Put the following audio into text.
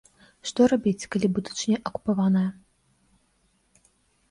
Што рабіць, калі будучыня акупаваная?